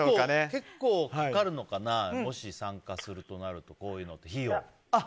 結構かかるのかなもし参加するとなるとこういうのって費用。